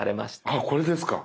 あっこれですか。